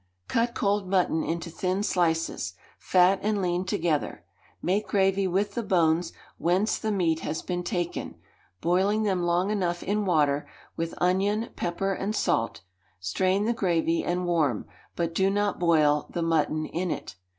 Cut cold mutton into thin slices, fat and lean together; make gravy with the bones whence the meat has been taken, boiling them long enough in water, with onion, pepper and salt; strain the gravy, and warm, but do not boil, the mutton in it.